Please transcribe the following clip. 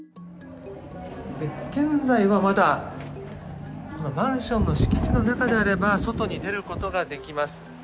現在はまだマンションの敷地の中であれば外に出ることができます。